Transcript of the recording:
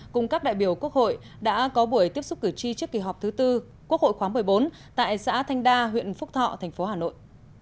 cùng các đại biểu quốc hội đã có buổi tiếp xúc cử tri trước kỳ họp thứ tư quốc hội khóa một mươi bốn tại xã thanh đa huyện phúc thọ thành phố hà nội